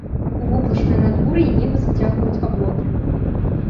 У воблачнае надвор'е неба зацягваюць аблокі.